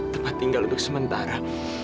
tempat tinggal untuk sementara